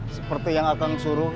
seperti yang akan suruh